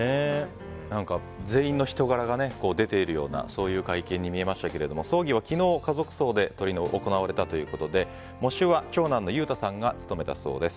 何か全員の人柄が出ているようなそういう会見に見えましたけれども葬儀は昨日家族葬で行われたということで喪主は長男の裕太さんが務めたそうです。